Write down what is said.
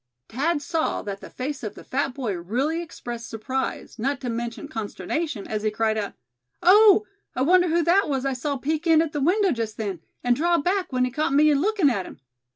Thad saw that the face of the fat boy really expressed surprise, not to mention consternation, as he cried out: "Oh! I wonder who that was I saw peek in at the window just then, and draw back when he caught me lookin' at him.